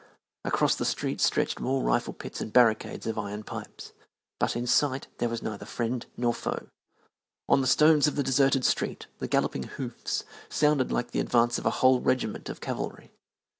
Across the street stretched more rifle pits and barricades of iron pipes, but in sight there was neither friend nor foe. On the stones of the deserted street the galloping hoofs sounded like the advance of a whole regiment of cavalry.